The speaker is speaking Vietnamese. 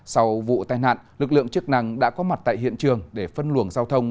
sau vụ tai nạn lực lượng chức năng đã có mặt tại hiện trường để phân luồng giao thông